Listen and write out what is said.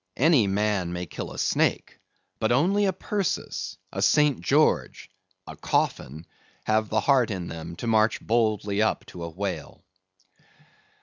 Any man may kill a snake, but only a Perseus, a St. George, a Coffin, have the heart in them to march boldly up to a whale.